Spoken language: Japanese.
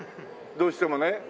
どうしてもね。